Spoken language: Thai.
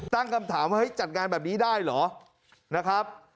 ตั้งคำถามว่าเฮ้ยจัดงานแบบนี้ได้เหรอนะครับ